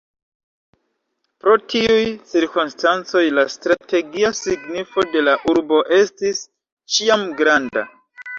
Pro tiuj cirkonstancoj la strategia signifo de la urbo estis ĉiam granda.